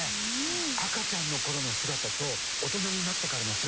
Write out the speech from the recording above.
赤ちゃんのころの姿と大人になってからの姿。